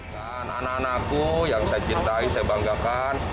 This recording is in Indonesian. dan anak anakku yang saya cintai saya banggakan